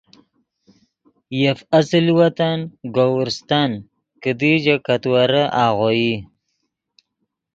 یف اصل وطن گورّستن کیدی ژے کتویرے آغوئی